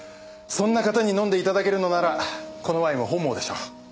そんな方に飲んで頂けるのならこのワインも本望でしょう。